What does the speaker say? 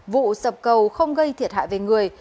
vụ sập cầu không gây thiệt hại về người